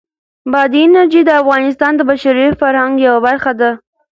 بادي انرژي د افغانستان د بشري فرهنګ یوه برخه ده.